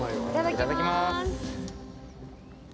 いただきます！